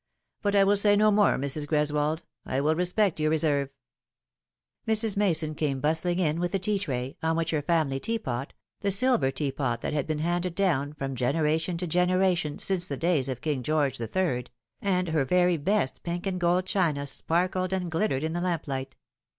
But I will say no more, Mrs. Greswold, I will respect your reserve." 316 The Fatal Three. Mrs. Mason came bustling in with a tea tray, on which her family teapot the silver teapot that had been handed down from generation to generation since the days of King George the Third and her very best pink and gold china sparkled and glittered in the lamp fight.